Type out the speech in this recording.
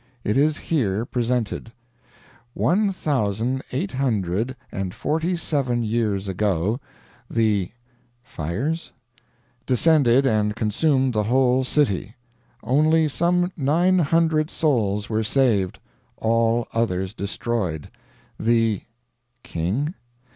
It is here presented: "One thousand eight hundred and forty seven years ago, the (fires?) descended and consumed the whole city. Only some nine hundred souls were saved, all others destroyed. The (king?)